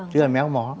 chứ là méo mó